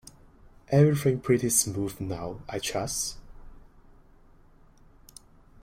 Everything pretty smooth now, I trust?